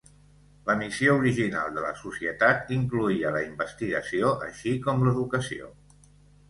La missió original de la societat incloïa la investigació així com l'educació.